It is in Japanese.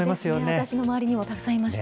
私の周りにもたくさんいました。